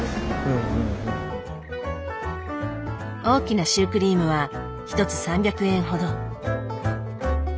大きなシュークリームは１つ３００円ほど。